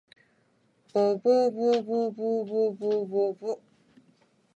ぼぼぼぼぼぼぼぼぼぼ